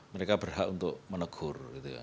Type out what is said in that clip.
mereka berhak untuk menegur